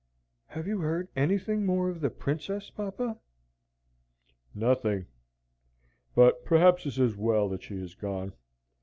"Have you heard anything more of the Princess, papa?" "Nothing, but perhaps it's as well that she has gone.